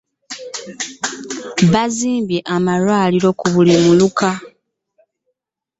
Bazimba amalwaliro ku buli muluka.